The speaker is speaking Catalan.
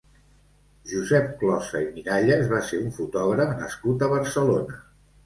Josep Closa i Miralles va ser un fotògraf nascut a Barcelona.